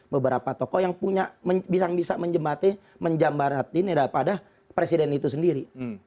beberapa tokoh yang punya yang bisa menjembatin menjambaratin daripada presiden itu sendiri